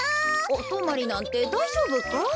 おとまりなんてだいじょうぶか？